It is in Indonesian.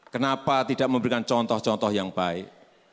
kenapa tidak memberikan contoh contoh yang baik